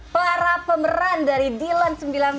tara pemeran dari dilan seribu sembilan ratus sembilan puluh satu